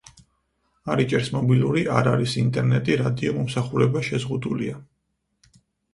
არ იჭერს მობილური, არ არის ინტერნეტი, რადიო მომსახურება შეზღუდულია.